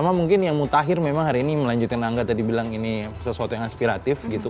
dan mungkin yang mutakhir memang hari ini melaanjutkan angga tadi bilang ini sesuatu yang aspiratif gitu